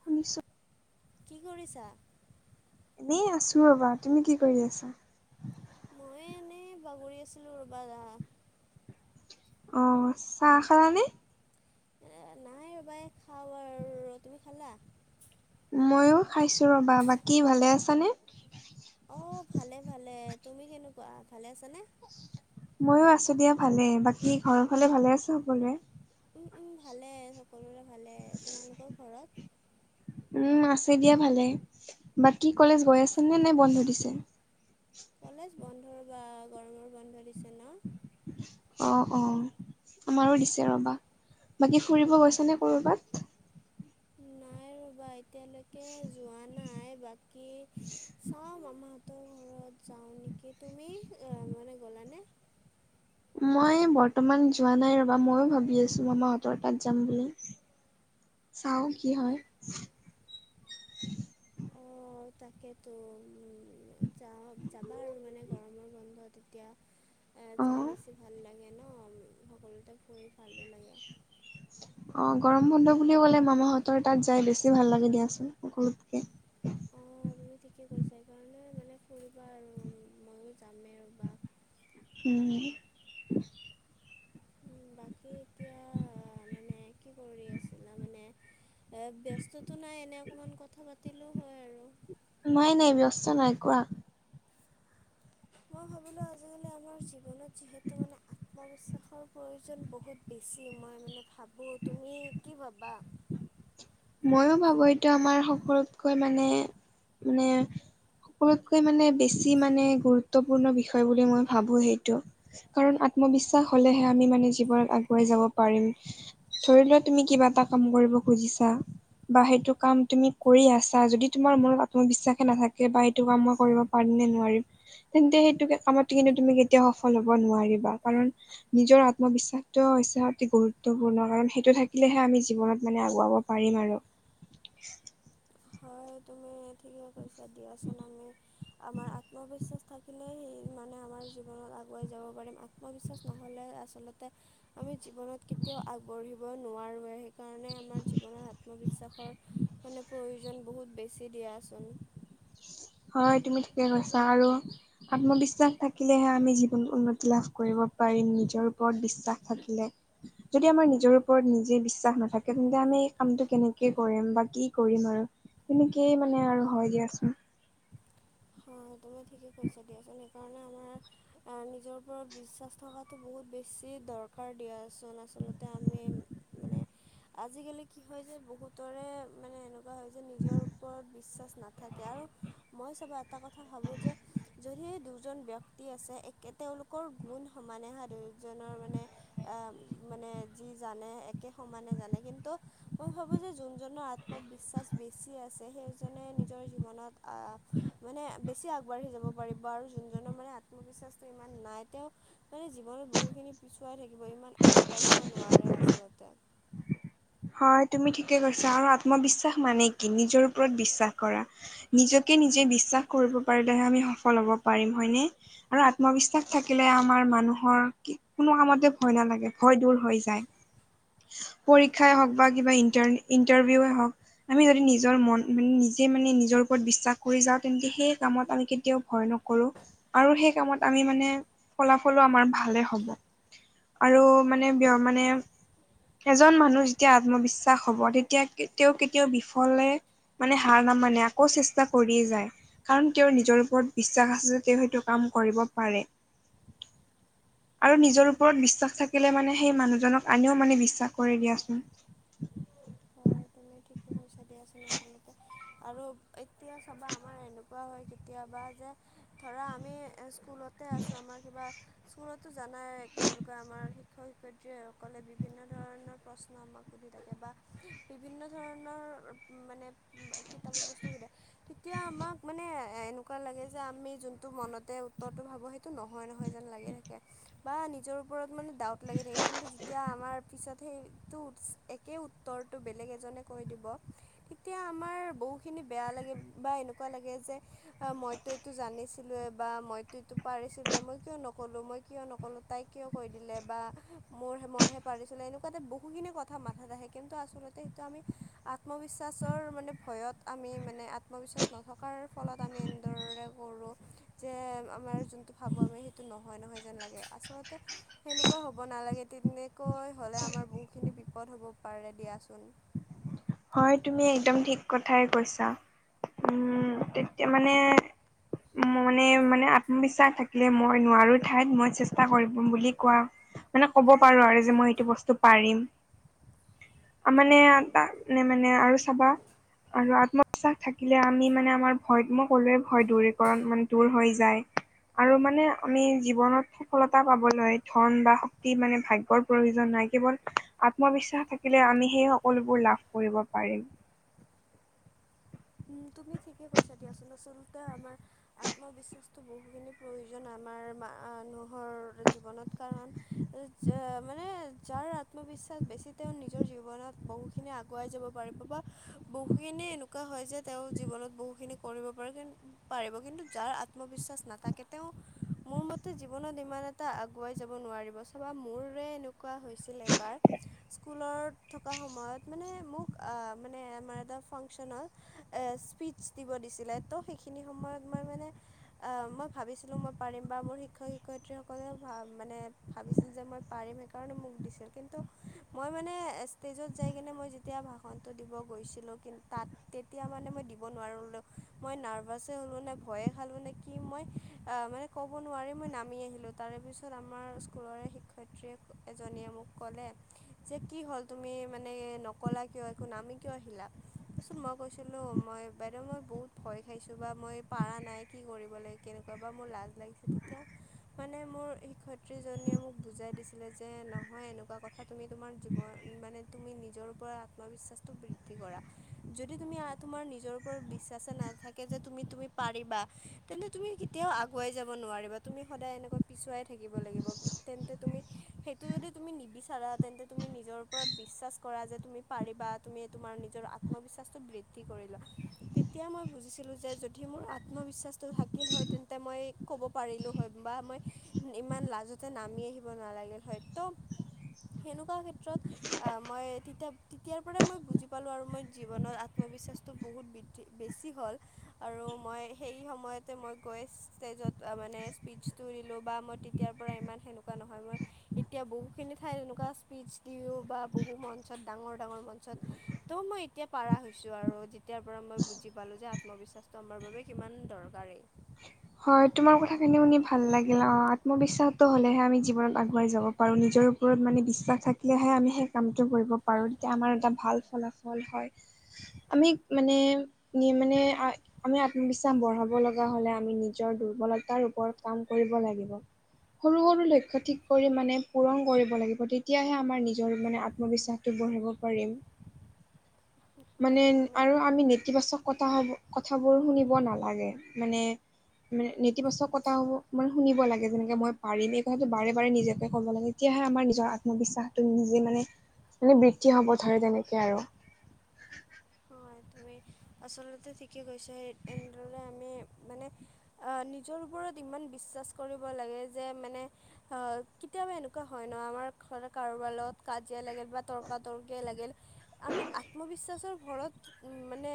শুনিছো। কি কৰিছা? এনেই আছো ৰবা। তুমি কি কৰি আছা? মই এনেই বাগৰি আছিলোঁ ৰ'বা আ অঁ, চাহ খালা নে? নাই ৰ'বা এ খাওঁ আৰু। তুমি খালা? মইয়ো খাইছো ৰবা। বাকী ভালে আছা নে? অঁ ভালে ভালে। তুমি কেনেকুৱা ভালে আছা নে? মইয়ো আছো দিয়া ভালে। বাকী ঘৰৰ ফালে ভালে আছে সকলোৱে? উম উম ভালে সকলোৰে ভালে। তোমালোকৰ ঘৰত? উম আছে দিয়া ভালে বাকী কলেজ গৈ আছা নে নাই বন্ধ দিছে? কলেজ বন্ধ ৰবা, গৰমৰ বন্ধ দিছে ন। অঁ অঁ আমাৰো দিছে ৰবা। বাকী ফুৰিব গৈছা নে কৰ'বাত নাই ৰ'বা এতিয়ালৈকে যোৱা নাই বাকী চাওঁ মামাহঁতৰ ঘৰত যাওঁ নেকি তুমি মানে গ'লানে মই বৰ্তমান যোৱা নাই ৰবা ময়ো ভাবি আছো আমাৰ [unintelligible] তাত যাম বুলি চাও কি হয় অঁ তাকেতো যাওঁ যাবা আৰু মানে গৰমৰ বন্ধ এতিয়া [unintelligible] এই যাই বেছি ভাল লাগে ন সকলোতে ফুৰি ভালো লাগে অ গৰম বন্ধ বুলি ক'লে মামাহঁতৰ তাত যাই বেছি ভাল লাগে দিয়াচোন সকলোতকে অঁ তুমি ঠিকে কৈছা সেইকাৰণে যেনে ফুৰিবা আৰু ময়ো যামেই ৰ বা উম বাকী এতিয়া মানে কি কৰি আছিলা মানে এ ব্যস্ততটো নাই এনে অকণমান কথা পাতিলেও হয় আৰু নাই নাই ব্যস্ত নাই কোৱা মই ভাবিলোঁ আজিকালি আমাৰ জীৱনত যিহেতু মানে মবিশ্বাসৰ প্ৰয়োজন বহুত বেছি মই মানে ভাবো তুমি কি ভাবা ময়ো ভাবো এইটো আমাৰ সকলোতকৈ মানে মানে সকলোতকৈ মানে বেছি মানে গুৰুত্বপূৰ্ণ বিষয় বুলি মই ভাবো সেইটো কাৰণ আত্মবিশ্বাস হলেহে আমি মানে জীৱন আগুৱাই যাব পাৰিম ধৰি লোৱা তুমি কিবা এটা কাম কৰিব খুজিছা বা সেইটো কাম তুমি কৰি আছা যদি তোমাৰ মনত আত্মবিশ্বাসে নাথাকে বা সেইটো কাম মই কৰিব পাৰিমনে নোৱাৰিম তেন্তে সেইটোকে কামত কিন্তু তুমি কেতিয়া সফল হ'ব নোৱাৰিবা কাৰণ নিজৰ আত্মবিশ্বাসটো হৈছে অতি গুৰুত্বপূৰ্ণ কাৰণ সেইটো থাকিলেহে আমি জীৱনত মানে আগুৱাব পাৰিম আৰু [unintelligible] হয় তুমি ঠিকে কৈছা দিয়াচোন আমি আমাৰ আত্মবিশ্বাস থাকিলে সি মানে আমাৰ জীৱনত আগুৱাই যাব পাৰিম আত্মবিশ্বাস নহ'লে আচলতে, আমি জীৱনত কেতিয়াও আগবাঢ়িব মই নোৱাৰোয়ে, সেইকাৰণে আমাৰ জীৱনত আত্মবিশ্বাসৰ মানে প্ৰয়োজন বহুত বেছি দিয়াচোন হয় তুমি ঠিকে কৈছা আৰু আত্মবিশ্বাস থাকিলেহে আমি জীৱনত উন্নতি লাভ কৰিব পাৰিম। নিজৰ ওপৰত বিশ্বাস থাকিলে যদি আমাৰ নিজৰ ওপৰত নিজে বিশ্বাস নাথাকে, তেন্তে আমি এই কামটো কেনেকে কৰিম বা কি কৰিম আৰু তেনেকেই মানে আৰু হয় দিয়াচোন হয় তুমি ঠিকেই কৈছা দিয়াচোন সেইকাৰণে আমাৰ আৰু নিজৰ ওপৰত বিশ্বাস থকাটো বহুত বেছি দৰকাৰ দিয়াচোন। আচলতে আমি মানে আজিকালি কি হয় যে বহুতৰে মানে এনেক এনেকা হয় যে নিজৰ ওপৰত বিশ্বাস নাথাকে আৰু মই চব এটা কথা ভাবোঁ যে যদি দুজন ব্যক্তি আছে, একে তেওঁলোকৰ গুণ সমানেহা দুয়োজনৰ মানে আহ মানে যি জানে একে সমানে জানে কিন্তু মই ভাবো যে জোনজনৰ আত্মবিশ্বাস বেছি আছে, সেইজনে নিজৰ জীৱনত আহ মানে বেছি আগবাঢ়ি যাব পাৰিব। আৰু জোনজনৰ মানে আত্মবিশ্বাসটো ইমান নাই তেওঁৰ মানে জীৱনত বহুখিনি পিছুৱাই থাকিব। ইমান আগবাঢ়িব নোৱাৰে আচলতে হয় তুমি ঠিকে কৈছা। আৰু আত্মবিশ্বাস মানে কি নিজৰ ওপৰত বিশ্বাস কৰা। নিজকে নিজে বিশ্বাস কৰিব পাৰিলেহে আমি সফল হব পাৰিম। হয়নে? আৰু আত্মবিশ্বাস থাকিলে আমাৰ মানুহৰ কি কোনো কামতে ভয় নালাগে ভয় দূৰ হৈ যায়। পৰীক্ষাই হওঁক বা কিবা ইনতাৰ ইন্টাৰভিউে হওক- আমি যদি নিজৰ মন মানে নিজে মানে নিজৰ ওপৰত বিশ্বাস কৰি যাওঁ তেন্তে সেই কামত আমি কেতিয়াও ভয় নকৰো আৰু সেই কামত আমি মানে ফলাফলো আমাৰ ভালে হ'ব। আৰু মানে বিয় মানে এজন মানুহ যেতিয়া আত্মবিশ্বাস হ'ব, তেতিয়া তেওঁ কেতিয়াও বিফলে- মানে হাৰ নামানে আকৌ চেষ্টা কৰিয়ে যায়। কাৰণ তেওঁৰ নিজৰ ওপৰত বিশ্বাস আছে যে তেওঁসেইটো কাম কৰিব পাৰে। আৰু নিজৰ হয়। ওপৰত বিশ্বাস থাকিলে মানে সেই মানুহজনক আনেও মানে বিশ্বাস কৰে দিয়াচোন। হয় তুমি ঠিকে কৈছা দিয়াচোন আচলতে আৰু এতিয়া চাবা আমাৰ এনেকুৱা হয় কেতিয়াবা যে, ধৰা আমি স্কুলতে আছোঁ আমাৰ কিবা স্কুলতো জানাই কি বুলি কয় আমাৰ শিক্ষক শিক্ষয়িত্ৰী, সকলে বিভিন্ন ধৰণৰ প্ৰশ্ন আমাক সুধি থাকে। বা বিভিন্ন- ধৰণৰ মানে কিতাপৰ বস্তু সুধে, তেতিয়া আমাক মানে- এ এনেকুৱা লাগে যে আমি জোনটো মনতে উত্তৰটো ভাবো সেইটো নহয় নহয় যেন লাগি থাকে। বা নিজৰ ওপৰত মানে ডাউট লাগি থাকে। কিন্তু যেতিয়া আমাৰ পিছত সেইটো একে উত্তৰটো বেলেগ এজনে কৈ দিব। তেতিয়া আমাৰ বহুখিনি বেয়া লাগে বা এনেকুৱা লাগে যে মইতো- এইটো জানিছিলোয়ে বা মইতো এইটো পাৰিছিলোয়ে, মই কিয় নক'লো মই কিয় নকল'লো। তাই কিয় কৈ দিলে বা মোৰ মইহে পাৰিচোনে এনেকুৱাতে বহুখিনি কথা মাথাত আহে কিন্তু আচলতে এইটো আমি আত্মবিশ্বাসৰ মানে ভয়ত আমি মানে আত্মবিশ্বাস নথকাৰ ফলত আমি এনেদৰে কৰোঁ। যে আমাৰ যোনটো ভাবোঁ আমি সেইটো নহয় নহয় যেন লাগে। আচলতে সেনেকুৱা হ'ব নালাগে। তেনেকৈ হ'লে আমাৰ বহুতখিনি বিপদ হ'ব পাৰে দিয়াচোন। হয় তুমি একদম ঠিক কথাই কৈছা। উম তেতিয়া মানে, মানে মানে আত্মবিশ্বাস থাকিলে মই নোৱাৰো। ঠাইত মই চেষ্টা কৰিব বুলি কোৱা। মানে ক'ব পাৰো আৰু যে মই এইটো বস্তু পাৰিম। মানে হয় এটা নে মানে আৰু চাবা। আৰু আত্মবিশ্বাস থাকিলে আমি মানে আমাৰ ভয়, মই কলোয়ে ভয় দূৰীকৰণ মানে দূৰ হৈ যায়। আৰু মানে আমি জীৱনত সফলতা পাবলৈ ধন বা শক্তি মানে ভাগ্যৰ প্ৰয়োজন নাই কেৱল আত্মবিশ্বাস থাকিলে আমি সেই সকলোবোৰ লাভ কৰিব পাৰিম উম তুমি ঠিকে কৈছা দিয়াচোন আচলতে আমাৰ আত্মবিশ্বাস তো বহুখিনি প্ৰয়োজন আমাৰ মানুহৰ জীৱনত কাৰণ মানে যাৰ আত্মবিশ্বাস বেছি তেওঁ নিজৰ জীৱনত বহু খিনি আগুৱাই যাব পাৰিব বা বহুখিনি এনেকুৱা হয় যে তেওঁ জীৱনত বহুখিনি কৰিব পাৰে পাৰিব কিন্তু যাৰ আত্মবিশ্বাস নাথাকে। তেওঁ মোৰ মতে জীৱনত ইমান এটা আগুৱাই যাব নোৱাৰিব চাবা মোৰে এনেকুৱা হৈছিল এবাৰ স্কুলত থকা সময়ত মানে মোক মানে আমাৰ এটা ফাংচনত- স্পীচ দিব দিছিলে তো সেইখিনি সময়ত মই মানে মই ভাবিছিলোঁ মই পাৰিম বা মোৰ শিক্ষক শিক্ষয়িত্ৰীসকলেও মানে ভাবিছিল যে মই পাৰিম সেইকাৰণে মোক দিছিল কিন্তু মই মানে ষ্টেজত যাই কিনে মই যেতিয়া ভাষণটো দিব গৈছিলোঁ কিন্তু তাত তেতিয়া মানে মই দিব নোৱাৰিলোঁ মই নাৰ্ভাছে হ'লো নে ভয়ে খালো নে কি মই অ মানে ক'ব নোৱাৰি মই নামি আহিলোঁ। তাৰেপিছত আমাৰ স্কুলৰে শিক্ষয়িত্ৰীয়ে এজনীয়ে মোক ক'লে যে কি হ'ল তুমি মানে নকলা কিয় এইখন আমি কিয় আহিলা? তাৰপিছত মই কৈছিলোঁ মই বাইদেউ মই বহুত ভয় খাইছোঁ বা মই পাৰা নাই কি কৰিব লাগিব। কেনেকুৱা বা মোৰ লাজ লাগিছে তেতিয়া মানে মোৰ শিক্ষয়ত্ৰীজনীয়ে মোক বুজাই দিছিলে। যে নহয় এনেকুৱা কথা। কথা তুমি তোমাৰ জীৱন মানে তুমি নিজৰ পৰা আত্মবিশ্বাসটো বৃদ্ধি কৰা। যদি তুমি তোমাৰ নিজৰ ওপৰত বিশ্বাসকে নাথাকে যে তুমি তুমি পাৰিবা তেন্তে। তুমি কেতিয়াও আগুৱাই যাব নোৱাৰিবা তুমি সদায় এনেকৈ পিছুৱাই থাকিব লাগিব তেন্তে। তুমি সেইটো যদি তুমি নিবিচাৰা তেন্তে তুমি নিজৰ ওপৰত বিশ্বাস কৰা যে তুমি। পাৰিবা তুমি তোমাৰ নিজৰ আত্মবিশ্বাসটো বৃদ্ধি কৰি লোৱা তেতিয়া মই বুজিছিলোঁ। যে যদি মোৰ আত্মবিশ্বাসটো থাকিল হয় তেন্তে মই ক'ব পাৰিলোঁ হয় বা মই। ইমান লাজতে নামি আহিব নালাগিল হয়তো। সেনেকুৱা ক্ষেত্ৰত মই তেতিয়া তেতিয়াৰ পৰাই মই বুজি পালোঁ আৰু মই। জীৱনত আত্মবিশ্বাসটো বহুত বৃদ্ধি বেছি হ'ল আৰু মই সেই সময়তে মই গৈ। ষ্টেজত মানে স্পীচটো দিলোঁ বা মই তেতিয়াৰ পৰা ইমান সেনেকুৱা নহয় মই। এতিয়া বহুখিনি ঠাইত এনেকুৱা স্পীচ দিও বা বহু মঞ্চত ডাঙৰ - ডাঙৰ মঞ্চত। ত' মই এতিয়া। পাৰা হৈছোঁ আৰু যেতিয়াৰ পৰা মই বুজি পালোঁ যে আত্মবিশ্বাসটো আমাৰ বাবে কিমান দৰকাৰেই। হয়, তোমাৰ কথাখিনি শুনি ভাল লাগিল অঁ আত্মবিশ্বাস। হলেহে আমি জীৱন আগুবাঢ়ি যাব পাৰোঁ। নিজৰ ওপৰত মানে বিশ্বাস থাকিলেহে আমি সেই। কামটো কৰিব পাৰো তেতিয়া আমাৰ এটা ভাল ফলাফল হয় আমি মানে। মানে আমি আত্মবিশ্বাস বঢ়াব লগা হ'লে আমি নিজৰ দুৰ্বল। দুৰ্বলতা ওপৰত কাম কৰিব লাগিব। সৰু- সৰু লক্ষ্য ঠিক কৰি মানে পূৰণ কৰিব লাগিব তেতিয়াহে আমাৰ নিজৰ মানে। মই বিশ্বাসটো গঢ়িব পাৰিম। মানে হয় তুমি আৰু আমি নেতিবাচক কথা হব কথাবোৰ শুনিব নালাগে মানে। মানে নেতিবাচক কথা মানে শুনিব লাগে যেনেকে মই পাৰিম এই কথাটো বাৰে বাৰে নিজকে ক'ব লাগে। তেতিয়াহে আমাৰ নিজৰ আত্মবিশ্বাসটো নিজে মানে - মানে বৃদ্ধি হব ধৰে তেনেকে আৰু। হয়, তুমি আচলতে ঠিকেই কৈছা সেই তেনেদৰে আমি মানে। নিজৰ ওপৰত ইমান বিশ্বাস কৰিব লাগে যে মানে। অ' কেতিয়াবা এনেকুৱা হয় ন, আমাৰ ধৰ কাৰোবাৰ লগত কাজিয়া লাগিল। [unintelligible] ধৰক মানে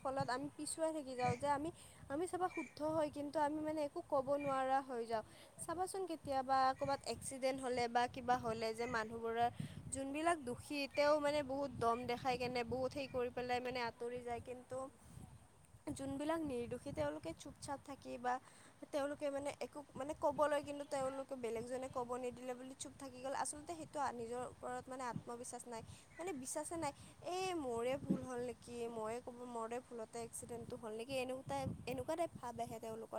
ফলত আমি পিছুৱাই থাকি যাওঁ যে আমি। আমি চাবা শুদ্ধ হয় কিন্তু আমি মানে একো কব নোৱাৰা হৈ যাওঁ। চাবাচোন কেতিয়াবা ক'ৰবাত এক্সিডেন্ট হলে বা কিবা হলে যে মানুহবোৰৰ। যোনবিলাক দুখী তেওঁ মানে বহুত দম দেখাই কেনে বহুত সেই। কৰি পেলাই মানে আঁতৰি যায় কিন্তু। যোনবিলাক নিৰ্দোষী তেওঁলোকে চুপচাপ থাকি বা। তেওঁলোকে মানে একো মানে কবলৈ কিন্তু তেওঁলোকে বেলেগ জনে ক'ব নিদিলে বুলি। চুপ থাকি গ'ল আচলতে সেইটো নিজৰ ওপৰত মানে আত্মবিশ্বাস নাই মানে বিশ্বাসে নাই। এই হয়। মোৰে ভুল হ'ল নেকি মইয়ে ক'ব মোৰৰে ভুলতে এক্সিডেণ্টটো হ'ল নেকি এনেকুৱা টাইপ ভাৱ আহে তেওঁলোক।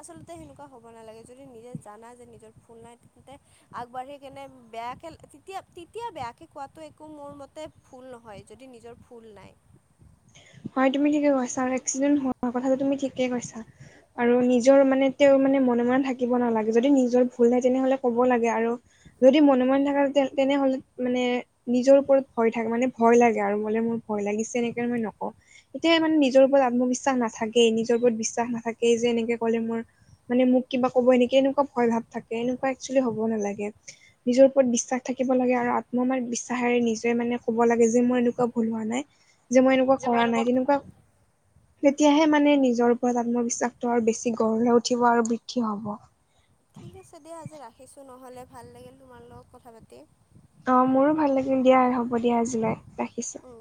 আচলতে সেনেকুৱা হ'ব নালাগে যদি নিজে জানা যে নিজৰ ভোল নাই তেন্তে। আগবাঢ়ি কেনে বেয়াকে তেতিয়া - তেতিয়া বেয়াকে কোৱাতো একো মোৰ মতে। ভুল নহয়, যদি নিজৰ ভুল নাই। হয়, তুমি ঠিকে কৈছা আৰু এক্সিডেণ্ট হোৱাৰ কথাটো তুমি ঠিকে কৈছা। আৰু নিজৰ মানে তেওঁ মানে মনে মনে থাকিব নালাগে যদি নিজৰ ভুল নাই তেনেহলে ক'ব লাগে আৰু যদি মনে মনে থাকা তেনে তেনেহ'লে মানে নিজৰ ওপৰত ভয় থাক মানে ভয় লাগে আৰু মলে মোৰ ভয় লাগিছে এনেকে মই নকওঁ এতিয়া মানে নিজৰ ওপৰত আত্মবিশ্বাস নাথাকে নিজৰ ওপৰত বিশ্বাস নাথাকে যে এনেকে কলে মোৰ মানে মোক কিবা কব এনেকে এনেকোৱা ভয় ভাৱ থাকে এনেকুৱা একচুৱেলি হ'ব নালাগে নিজৰ ওপৰত বিশ্বাস থাকিব লাগে আৰু আত্ম মাৰ বিশ্বাসেৰে নিজে মানে কব লাগে যে মোৰ এনেকুৱা ভুল হোৱা নাই যে মই এনেকুৱা কৰা নাই তেনেকুৱা তেতিয়াহে মানে নিজৰ ওপৰত আত্মবিশ্বাসটো আৰু বেছি গঢ় লৈ উঠিব আৰু বৃদ্ধি হব ঠিক আছে দিয়া আজি ৰাখিছো নহ'লে ভাল লাগিল তোমাৰ লগত কথা পাতি অ মোৰো ভাল লাগিল দিয়া হ'ব দিয়া আজিলৈ ৰাখিছো উম